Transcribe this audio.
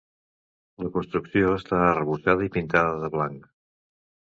La construcció està arrebossada i pintada de blanc.